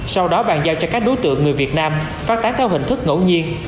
sau đó bàn giao cho các đối tượng người việt nam phát tán theo hình thức ngẫu nhiên